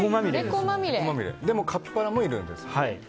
でもカピバラもいるんですね。